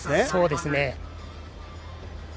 そうですね。